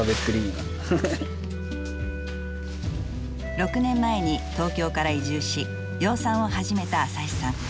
６年前に東京から移住し養蚕を始めた浅井さん。